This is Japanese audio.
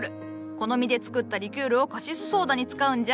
この実で作ったリキュールをカシスソーダに使うんじゃ。